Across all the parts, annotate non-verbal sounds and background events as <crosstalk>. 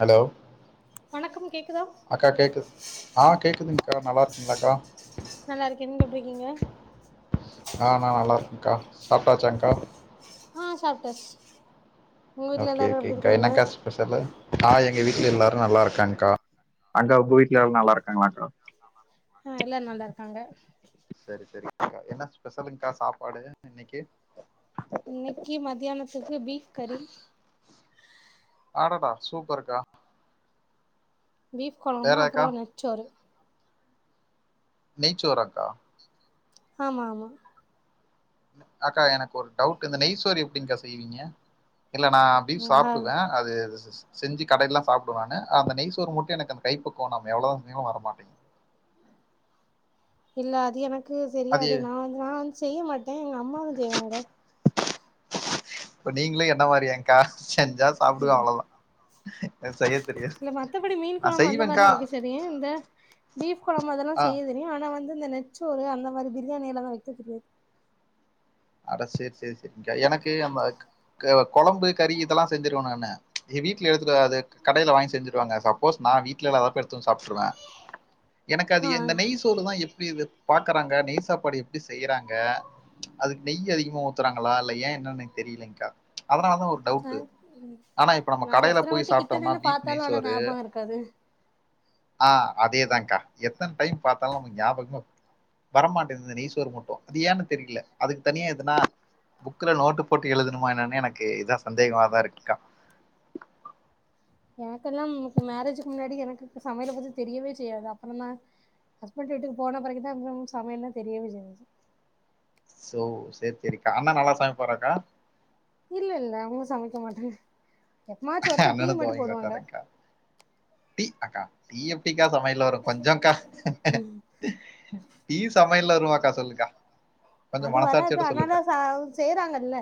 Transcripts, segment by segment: Hello வணக்கம் கேக்குதா அக்கா கேக் ஆ கேக்குதுங் கா நல்லா இருக்கிங்ளாக்கா நல்லாருக்கே நீங்க எப்டிருக்கீங்க ஆ நா நல்லாருக்கங்க்கா சாப்டாச்சாங்க்கா ஆ சாப்ட்டாச்சு உங்க வீட்ல ஓகே எல்லாரு எப்டி ஓகேங்கக்கா இருக்காங்க என்னங்கக்கா ஸ்பெஷலு ஆ எ எங்க வீட்ல எல்லாரு நல்லாருக்காங்கக்கா அங்க உங்க வீட்ல எல்லாரு நல்லாருக்காங்களாக்கா ஆ எல்லாரு நல்லா இருக்காங்க செரி செரி்ங்க்கா என்ன ஸ்பெஷலுங்கக்கா சாப்பாடு இன்னக்கி இன்னக்கி மதியானத்துக்கு பீஃப் கறி அடடா சூப்பருக்கா பீஃப் கொழம்பு அப்பறோ நெய்ச்சோறு நெய்ச்சோறாக்கா ஆமா ஆமா அக்கா எனக்கொரு டவுட்டு இந்த நெய்சோறு எப்டிங்க்கா செய்வீங்க இல்ல நா பீஃப் ஆ சாப்டுவே அது அது சிஸ் செஞ்சு கடைலலா சாப்டுவா நானு அந்த நெய்சோறு மட்டு எனக்கு அந்த கைப்பக்குவொ நம்ம எவ்ளோ தா செஞ்சாலு வரமாட்டெங்கிது இல்ல அது எனக் கு தெரியாதே நா வந்து நா வந் செய்ய மாட் டே எங்க அம்மாதாஞ் செய்வாங்க அப்ப நீங்களு என்ன மாரியாங்க்கா செஞ்சா சாப்டுவே அவ்ளோதா எனக்கு செய்ய தெரியாது இல்ல மத்தப்படி மீன் நா கொழம்பு அந்த செய்வேங்க்கா மாரிலா வக்க செரியு இந்த பீஃப் கொழம்பு அதெல்லா ஆ செய்ய தெரியு ஆனா வந் து இந்த நெச்சோறு அந்த மாரி பிரியாணி எல்லாலா வக்க தெரியாது அட சேர் சேர் செரி்ங்க்கா எனக் கு <unintelligible> குழம்பு கறி இதெல்லாம் செஞ்சிருவ நானு ச் எங்க வீட்ல எடுத்துவ அது கடேல வாங்கி செஞ்சிருவாங்க சப்போஸ் நான் வீட்ல இல்லாதப்ப எடுத்து வந்து சாப்ட்றுவேன் எனக்கு அது ஆ இந்த நெய் சோறு தா எப்படி இது பாக்குறாங்க நெய் சாப்பாடு எப்பிடி செய்யறாங்க அதுக்கு நெய் அதிகமா ஊத்துறாங்களா இல்ல ஏ என்ன எனக்கு தெரியலங்க்கா அதனால தான் ஒரு ஆ டவுட்டு ஆனா இப்ப நம்ம நா கடேல எத்தன போய் வாட்டி கிட்ட சாப்ட்டோம்னா நின்னு பீப் பாத்தாலு ஆனா நெய்சோரு ஞாபகோ இருக்காது ஆஹ் அதேதான்கா எத்தன டைம் பாத்தாலு நமக்கு ஞாபகமே வர மாட்டேதுது நெய்சோறு மட்டும் அது ஏன்னு தெரியல அதுக்கு தனியா எதுனா புக்ல நோட்டு போட்டு எழுதணுமா என்னன்னே எனக்கு இதா சந்தேகமாதா இருக்குக்கா எனக்கெல்லாம் க்கு மேரேஜுக்கு முன்னாடி எனக்கு சமையல பத்தி தெரியவே செய்யாது அப்புறந்தா ஹஸ்பண்ட் வீட்டுக்கு போன பிறகுதா அப்புறம் சமையல் எல்லா தெரியவே செஞ்சு சோ சரி சரிக்கா அண்ணா நல்லா சமைப்பாறாக்கா இல்ல இல்ல அவங்க சமைக்க மாட்டாங்க எப்பமாச்சு ஒருக்கா டீ அண்ணன்ன த மட்டு வாங்கி போடுவாங்க வட்டாரேக்கா டீ அக்கா டீ எப்படி எங்கக்கா சமையல வரும் கொஞ்சோ கா டீ சமைக் ல்ல வருவாக்கா சொல்லுக்கா கொஞ்சம் அது வராது மனசாட்சியோட ஆனா சொல்லுக்கா தா ச செய்றாங்கல்ல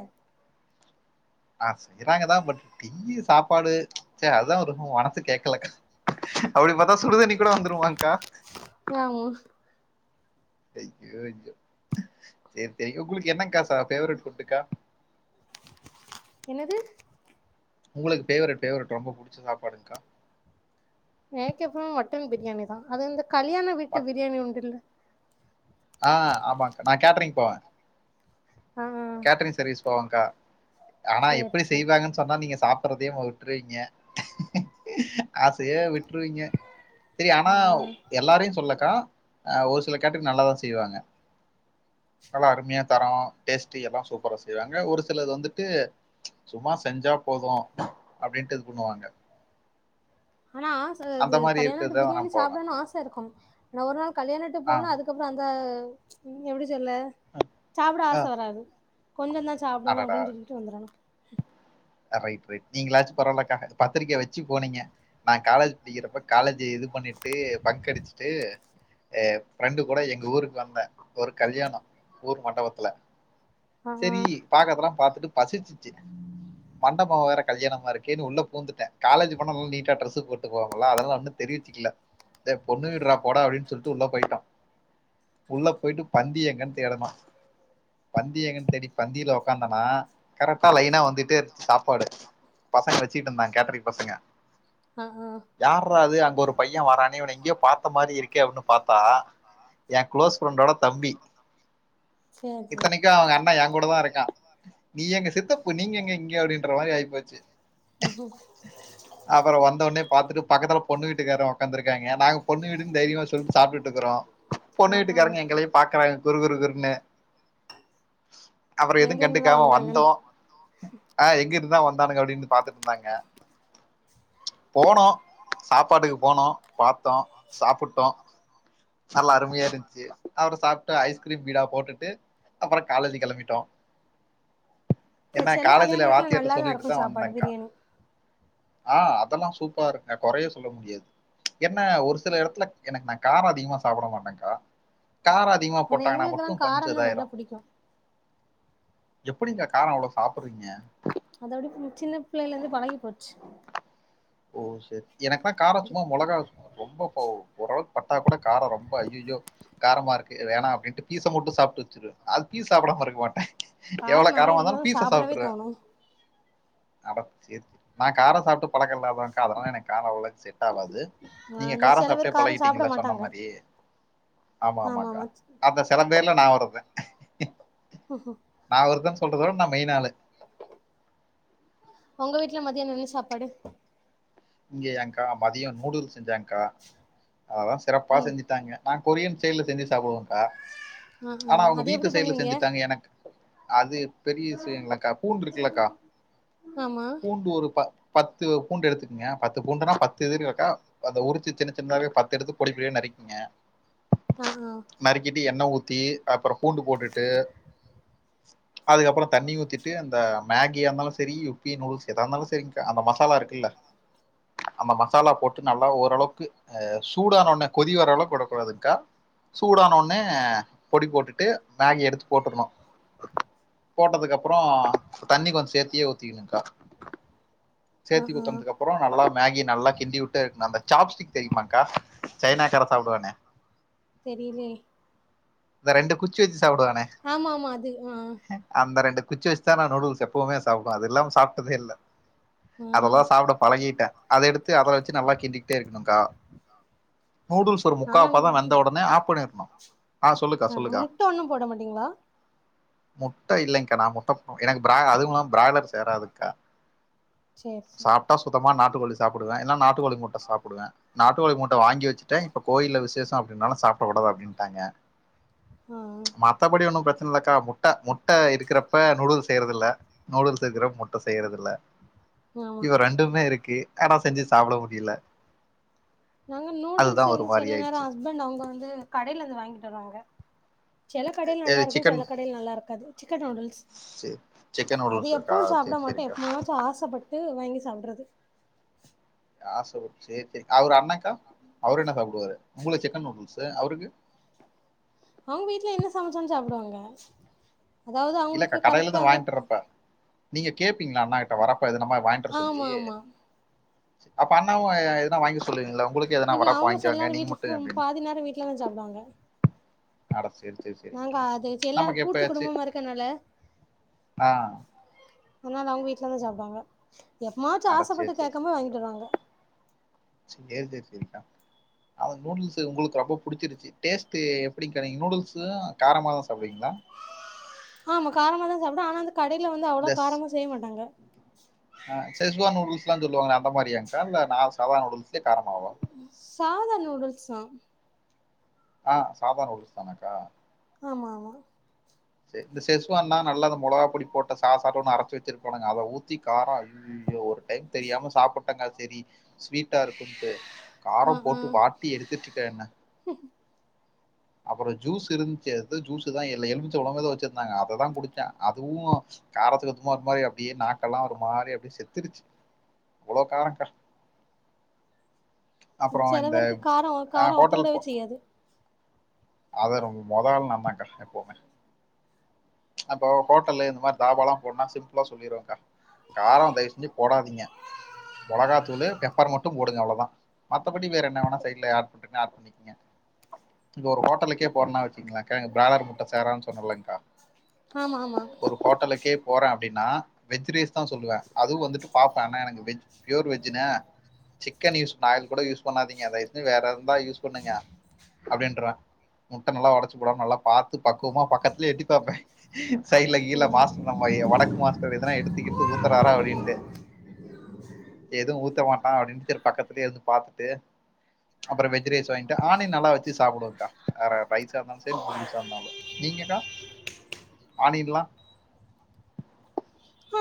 ஆஹ் செய்யறாங்கதா பட் டீ சாப்பாடு சரி அதுதா ஒரு மனசு கேக்கலக்கா அப்படி பா அதான் சுடுதண்ணி கூட வந்துருமாங்க்கா ஆமா ஐயோ ஐயோ சரி சரி உங்களுக்கு என்னங்க்கா ப ஃபேவரட் ஃபுட்டுக்கா என்னது உங்களுக்கு ஃபேவரெட் ஃபேவரெட் ரொம்ப புடிச்ச சாப்பாடுங்க்கா எனக்கெப்பு மட்டன் பிரியாணி தா அது வந்து கல்யாண வீட்டு பிரியாணி உண்டுல ஆஹ் ஆமாக்கா நான் கேட்ரீங் போவேன் ஆ ஆ கேட்டரிங் சர்வீஸ் போவாங்க க்கா ஆனா சேரி எப்படி சேரி செய்வாங்கன்னு சொன்னா நீங்க சாப் <unintelligible> வுட்டுருவீங்க ஆசையே விட்டுருவீங்க சரி ஆனா ஆ எல்லாரையு சொல்ல கா ஒரு சில கேட்டரிங் நல்லாதா செய்வாங்க நல்லா அருமையா தரமா டேஸ்ட்டி எல்லாம் சூப்பரா செய்வாங்க ஒரு சிலது வந்துட்டு ச் சும்மா செஞ்சா போதும் அப்டின்ட்டு இது பண்ணுவாங்க ஆனா ஆச அந்த அது மாரி கல்யாணத்து இருக்கிறது தான் பிரியாணி நான் போவேன். சாப்பிடனு ஆச இருக்கும் நா ஒரு நாள் கல்யாணத்துக்கு ஆ, போனா அதுக்கப்புற அந்த நீங்க எப்படி சொல்லு சாப்பிட ஆ ஆச வராது கொஞ்சோ தா சாப்படணு அடடா! அப்டின்னு சொல்லிக்கிட்டு வந்துறனு ரைட் ரைட் நீங்களாச்சு பரவாயில்லக்கா பத்திரிக்க வச்சி போனீங்க நா காலேஜ் படிக்கிறப்ப காலேஜ் இது பண்ணிட்டு பங்கடிச்சுட்டு எ ஃப்ரெண்டு கூட எங்க ஊருக்கு வந்தே ஒரு கல்யாண ஊர் மண்டவத்துல ஆ ஆ செரி பாக்கறதெல்லா பாத்து ட்டு பசிச்சிச்சி மண்டப வேற கல்யாணமா இருக்கேன்னு உள்ள பூந்துட்டே காலேஜ் போனா நல்லா நீட்டா ட்ரெஸ்ஸு போட்டுட்டு போவாங்களா அதனால ஒன்னு தெரிவிச்சிக்கல டே பொண்ணு வீடுறா போடா அப்டின்னு சொல்ட்டு உள்ள போயிட்டோ உள்ள போயிட்டு பந்தி எங்கன்னு தேடுனோ பந்தி எங்கன்னு தேடி பந்தியில உக்காந்துன்னா கரெக்ட்டா லைன்னா வந் ந்தட்டேர் சாப்பாடு பசங்க வச்சுட்டு இருந்தாங்க கேட்டரிங் பசங்க ஆ ஆ யார்ரா அது அங்க ஒரு பைய வரானே எங்கயோ பாத்த மாரி இருக்கே அப்டின்னு பாத்தா ஏ க்ளோஸ் ஃரெண்டோட தம்பி சேரி சேரி இத்தனைக்கு அவங்க அண்ணா ஏ கூட தா இருக்கா நீ எங்க சித்தப்பு நீங்க <unintelligible> இங்க அப்டின்ற மாரி ஆயிப்போச்சு ம்ஹும் அப்பற வந்தவொனே பாத்துட்டு பக்கத்துல பொண்ணு விட்டு க்கார உக்காந்துருக்காங்க நாங்க பொண்ணு வீடு தைரியமா சொல்ட்டு சாப்ட்டுட்டு இருக்குறோ ஆ பொண்ணு ஆ விட்டுக்காரங்க எங்களையே பாக்குறாங்க குறுகுறு குறுன்னு அப்றோ எதுவூ எங்க இருந்துதா கண்டுக்காம வந்தாங்கன்னு வந்தோ ஆ எங்கிட்டுதா வந் தானுங்க அப்டின்னு பாத்துட்ருந்தாங்க போனோ சாப்பாட்டுக்கு போனோ பாத்தோ சாப்பிட்டோ நல்லா அருமையா இருந்துச்சு அப்றோ சாப்ட்டு ஐஸ்கிரீம் பீடா போட்டுட்டு அப்றோ காலேஜி கெளம்பிட்டோ இந்த என்னா செல காலேஜ்ல கல்யாண வீட்ல வாத்தியார்ட நல்லாதா சொல்லிட்டுதா இருக்கு சாப்பாடு வந்தேங்க்கா பிரியாணி ஆ அதெல்லா சூப்பராருக்க கொறையே சொல்ல முடியாது என்ன ஒரு சில எடத்துலக் எனக்கு நா காரோ அதிகமா சாப்பிட மாட்டேங்க்கா காரோ அதிகமா ஆனா போட்டாங்னா எங்களுக்கெல்லா மட்டூ கொஞ்சோ காரந்தா இதாயிரூ நல்லா புடிக்கு எப்படிங்க காரோ அவ்ளோ சாப்புர்றீங்க அத அப்டி சின்ன பிள்ளைையிலேந்து பழகி போச்சு ஓ செரி எனக்கு நா கார சுமா முளகா ரொம்ப கோவ் ஓரளவுக் பட்டா கூட காரோ ரொம்ப அய்யியோ காரமாருக்கு வேணா அப்டின்ட்டு பீச மட்டூ சாப்ட்டு வச்சிருவ அது பீஸ் சாப்டாமருக்க மாட்டே காரோ எவ்ளோ நெறைய காரமார்ந்தாலூ இருந்தாதா பீச சாப்டவே சாப்டுர்வே தோணு அடப் செரி நா காரோ சாப்ட்டு பழக்கோ இல்லாத் வங்காலோ எனக்கு காரோ அவ்ளோ செட் ஆவாவ்து ஆ நீங்க அதுல காரோ சில சாப்ட்டே பேர் காரோ சாப்ட பழகிட்டீங்கல சொன்ன மாட்டாங்க மாரி ஆமா ஆமாங்க்கா அந்த செல பேர்ல நா ஒருத்த நா ஒருத்த சொல்றதோட நா மெயினாளு உங்க வீட்ல மதியானோ என்ன சாப்பாடு இங்கேயாங்க்கா மதியோ நூடூல்ஸ் செஞ்சாங் கா அததா சிறப்பா ம் செஞ்சுட்டாங்க நா கொரியன் ஸ்டைல்ல செஞ்சு சாப்டுவோங்க்கா ஆ ஆ ஆனா அவுங்க அது எப்டி வீட்டு சைடுல பண்ணுவீங்க செஞ்சுட்டாங்க எனக் அது பெரிய விஷயங்கில்லக்கா பூண்டு இருக்குலக்கா ஆமா பூண்டு ஒரு ப பத்து பூண்டு எடுத்து ங்க பத்து பூண்டுன்னா பத்து இது இருக்கா அத உரிச்சு சின்ன சின்னதாவே பத்து எடுத்து பொடிப்பொடியா நறிக்கிங்க ஆ ஆ நறுக்கிட்டு எண்ண ஊத் தி அப்றோ பூண்டு போட்டுட்டு அதுக்கப்றோ தண்ணி ஊத்திட்டு அந்த மேகியார்ந்தாலூ செரி யிப்பி நூடுல்ஸ் எதா இருந்தாலூ செரிங்க்கா அந்த மசாலா இருக்குல்ல அந்த மசாலா போட்டு நல்லா ஓரளவுக்கு சூடானோன்னே கொதி வரளவுக்கு ஒடக்கூடாதுங்க்கா சூடான ஒட்னே பொடி போட்டுட்டு மேகி எடுத்து போட்டுர்ணூ போட்டதுக்கப்றோ தண்ணி கொஞ்சோ சேத்தியே ஊத்திக்ணுங்க்கா அ ஆ பொலா மேகி நல்லா கிண்டி விட்டு அந்த சாப்ஸ்டிக் தெரியுமாங்க்கா சைனாக்கார சாப்டுவானே தெரிலே இந்த ரெண்டு குச்சி வச்சுச் சாப்டுவானே ஆமா ஆமா அது ஆ அந்த ரெண்டு குச்சி வச்சு தா நா நூடுல்ஸ் எப்வுமே சாப்டுவே அது இல்லாம சாப்ட்டதே இல்ல ஆ அதெல்லா சாப்ட அத எடுத்து அதல வச்சு நல்லா கிண்டிக்கிட்டே இருக்கணுங்கா நூடுல்ஸ் ஒரு நாங்க முக்காப்பதோ வெந்த உடனே ஆஃப் பண்ணிரணு ஆ முட்ட ஒண்ணும் போடமாட்டீங்களா முட்ட இல்லைங்கா நா முட்ட போ எனக்கு அதுமில்லாம பிராய்லர் சேராதுக்கா செரி செரி மா நாட்டுக்கோழி சாப்டுவே என்னா நாட் கோழி முட்ட சாப்டுவே நாட்டு கோழி முட்ட வாங்கி வச்சுட்டே இப்ப கோயில்ல விசேசம் நால சாப்படக்கூடாது அப்டின்ட்டாங்க ஆ ஆ மத்தபடி ஒண்ணு பிரச்ச லக்கா முட்ட முட்ட இருக்கிறப்ப நூடுல்ஸ் செய்யறது இல்ல நூடுல்ஸ் இருக்கிறப்ப முட்ட செய்யறது இல்ல ஆமா இருக்கு ஆனா செஞ்சு சாப்பட முடியல நாங்க அதுதா நூடுல்ஸ் ஒரு வந்து மாரி சில நேரம் ஆயிடுச்சு ஹஸ்பண்ட் அவங்க வந்து கடயில இருந்து வாங்கிட்டு வருவாங்க சில கடயில எ நல்லா இருக்கு சிக்கன் சில கடயில நல்லா இருக்காது சிக்கன் நூடுல்ஸ் செ சிக்கன் அது நூடுல்ஸ் இருக்கா எப்பவு சாப்பட சேரி மாட்டோ சேரிக்கா எப்பவாச்சு ஆசப்பட்டு வாங்கி சல்றது ஆசப்படு சேர் செரி அவரு அண்ணே அவரு என்ன சாப்புடுவாரு உங்களுக்கு சிக்கன் நூடுல்ஸ் அவருக்கு அவங்க வீட்டுல என்ன சமைச்சாலு சாப்பிடுவாங்க இல்லக்கா கடையில தா வாங்கிட்டுறப்ப நீங்க கேப்பீங்களா அண்ணாகிட்ட வரப் இது நம்ம வாங்கிட்டு வர சொல்லி ஆமா ஆமா அப்ப அண்ணாவு எதுனா வாங்கி சொல்லுவீங்களா உங்களுக்கு எதனா இல்ல வரப்ப அவங்க சில வாங்கிக்கோங்க நேரம் நீங்க மட்டும் வீட்டுல அப்படின்னு பாதி நேரம் வீட்லதா சாப்பிடுவாங்க அட சரி சரி நாங்க அது எல்லாரு கூட்டு குடும்பமா இருக்கனா ஆஹ் அதனால அவங்க வீட்ல தா சாப்டுவாங்க எப்பமாச்சு அட சரி ஆசப்பட்டு சரி கேக்கம்போ சரிங்கக்கா வாங்கிட்டு வருவாங்க அ நூடுல்ஸ் உங்களுக்கு ரொம்ப புடிச்சிருச்சு டேஸ்ட்டு எப்படிங்க்கா நீங்க நூடுல்ஸு காரமாதா சாப்பிடுவீங்களா ஆமா காரமா தா சாப்ட்டே ஆனா அந்த கடையில வந்து அவ்வளோ காரமா செய்ய மாட்டாங்க ஆ செச்வா நூடுல்ஸ் எல்லா சொல்லுவாங்க அந்த மாரியாங்க்கா இல்ல நா சாதா நூடுல்ஸ் சாதா நூடுல்ஸ் சாம் ஆ சாதா நூடுல்ஸ் தானாக்கா ஆமா ஆமா இந்த செஸ்வான்னா நல்லா இந்த மெளகா பொடி போட்ட சாஸாட்டோ ஒன்னு அரச்சு வச்சிருப்பானுங்க அத ஊத்தி காரம் ஐயயோ ஒரு டைம் தெரியாம சாப்பிட்டங்க செரி ஸ்வீட்டா இருக்குன்ட்டு ஆ காரம் ஆ போட்டு வாட்டி எடுத்துட்ருக்க என்ன அப்புறோ ஜூஸ் இருந்துச்சு ஜூஸ்தா எ எலுமிச்ச பழமோ எதோ வச்சிருந்தாங்க அததா குடிச்சே அதுவு காரத்துக்கு அதுமா ஒரு மாரி அப்படியே நாக்கெல்லா ஒரு மாரி அப்டியே செத்துருச்சு அவ்வளோ காரம்கா செல பேருக்கு காரம் காரம் ஒத்துக்கடவே செய்யாது அது ரொம்ப மொத ஆள் நான்தாக்கா எப்பவுமே அப்போ ஹோட்டல்ல இந்த மாரி தாபாலா போன்னுனா சிம்பிளா சொல்லிருவாங்க காரம் தயவு செஞ்சு போடாதீங்க மொளகாத்தூளு பெப்பர் மட்டும் போடுங்க அவ்வளோதா மத்தபடி வேற என்ன வேனா சைட்ல ஆட் பண்றீங்கன்னா ஆட் பண்ணிக்கீங்க இங்க ஒரு ஹோட்டலுக்கே போறனா பாத்திங்ளாங்க்கா ப்ராய்லர் முட்ட சேராதுன் சொன்னேலங்க்கா ஆமா ஆமா ஒரு ஹோட்டலுக்கே போறே அப்டின்னா வெஜ் ரைஸ் தா சொல்லுவே அதுவு வந்துட்டு பாப்பே ஆனா எனக்கு வெஜ் பியூர் வெஜ்ஜுண்ணே சிக்கன் யூஸ் நா கூட யூஸ் பண்ணாதீங்க தயவுசெய்து வேற இருந்தா யூஸ் பண்ணுங்க அப்படீன்ருவே முட்ட நல்லா ஒடச்சு போடாம நல்லா பாத் து பக்குவமா பக்கத்துலேயே எட்டி பாப்பே சைட்ல கீழ ம் மாஸ்டர் நம்ம வடக்கு மாஸ்டர் எதுனா எடுத்து கிடுத்து ஊத்துறாரா அப்டின்ட்டு எதுவு ஊத்த மாட்டா அப்டின்னு செரி பக்கத்துலயே இருந்து பாத்துட்டு அப்புறம் வெஜ் ரைஸ் வாங்கிட்டு ஆனியன் நல்லா வச்சு சாப்பிடுவங்க்கா வேற ரைஸா இருந்தாலு சரி நூடுல்ஸா இருந்தாலு நீங்கக்கா ஆனியன்லா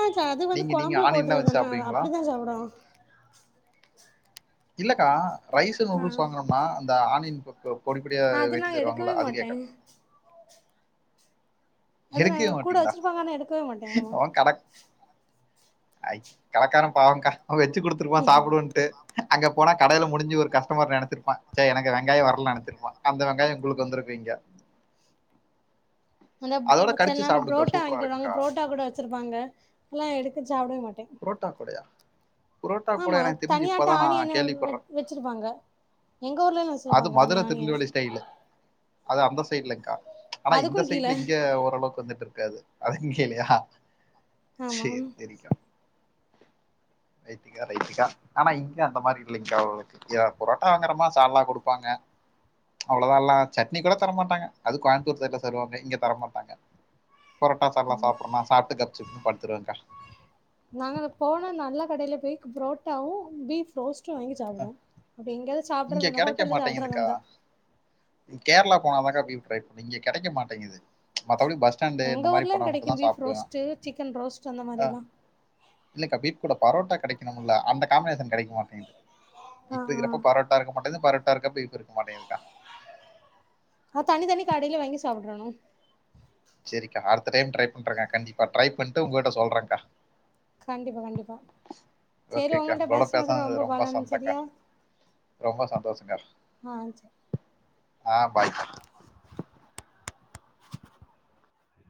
ஆ ச அது வந்து குழம்புல போட்றதுதானே அது அப்படித்தா சாப்பிடுவாங் இல்லக்கா ரைஸ் ஆ நூடுல்ஸ் வாங்கரோம்னா இந்த ஆனியன் இப்ப பொடிப்படியா அது நா வெட்டி தருவாங்களா எடுக்கவே அது மாட்டே கேக்கறே அது நாங்க கூட வச்சிருப்பாங்க ஆனா எடுக்கவே மாட்டே ஆமா அவன் கடை ஐ கடக்காரே பாவம்க்கா அவே வச்சு கொடுத்துருப்பா சாப்டுவன்ட்டு அங்க போனா கடையில முடிஞ்சு ஒரு கஸ்டமர் நெனச்சிருப்பா ச்ச எனக்கு வெங்காயம் வரல நெனச்சிருப்பா அந்த வெங்காயம் உங்களுக்கு வந்துருக்கு இங்க அந்த மிச்ச நேரம் புரோட்டா வாங்கிட்டு வருவாங்க இருக்குங்க்கா புரோட்டா கூட வச்சிருப்பாங்க எல்லா எடுக்க சாவ்டே மட்டே புரோட்டா கூடயா புரோட்டா கூட ஆமா எனக்கு தெரிஞ்சு தனியாட்ட இப்போதான் நான் ஆணியான கேள்விப்படுறேன் வச்சிருப்பாங்க எங்க ஊர்ல அது மதுரை திருல்லுவலி ஸ்டைலு அது அந்த சைடுலங்கா ஆனா இந்த அதுக்கு கீழ சைட்ல இங்க ஓரளவுக்கு வந்துட்டு இருக்காது அதுக்குங் கீழயா ஆமா சேரி சேரிக்கா ரைட்டுக்கா ரைட்டுக்கா ஆனா இங்க அந்த மாதிரி இல்லைங்கா இங்க பரோட்டா வாங்குறமா சால்னா கொடுப்பாங்க அவ்வளோதா எல்லா சட்னி கூட தரமாட்டாங்க அது கோயம்பத்தூர் சைட்ல தருவாங்க இங்க தரமாட்டாங்க பரோட்டா சால்னா சாப்பிடுறோம்னா சாப்பிட்டு காப்ச்சுப்புன்னு படுத்துருவேகா புரோட்டாவும் பீப் ரோஸ்ட் வாங்கி சாப்பட்ட அப் எங்காவது இங்க கிடைக்கா மாட்டேங்குதுக்கா கேரளா போனாதாங்க பீப் ரைட் இங்க கிடைக்க மாட்டேங்குது மற்றபடி பஸ் ஸ்டாண்டு இந்த எங்க மாதிரி ஊர்லயு போனா மட்டும் கெடைக்கு தான் பீஃப் சாப்பிடுவேன் ரோஸ்ட்டு, சிக்கன் ரோஸ்ட் அந்த மாரிலா இல்லக்கா பீட் கூட பரோட்டா கெடைக்கணும்ல அந்த காம்பினேஷன் கெடைக்க மாட்டேங்குது ஆ பீஃப் ஆ இருக்றப்போ இருக்கமாட்டுது பரோட்டா இருக்கப்போ பீஃப் இருக்க மாட்டேங்குதுக்கா அஹ் தனி தனி கடையில வாங்கி சாப்றணும் சரிக்கா அடுத்த டைம் ட்ரை பண்றேங்க கண்டிப்பா ட்ரை பண்ணி உங்கிட்ட சொல்றேங்கா கண்டிப்பா கண்டிப்பா செரி ஓகேக்கா உங்களிட்ட உங்களோட பேசனது பேசுனது ரொம்ப பல சந்தக்கா சரியா ரொம்ப ஆஹ் சரி ஆஹ் பாய்